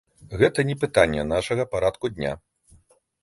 Гэта не пытанне нашага парадку дня.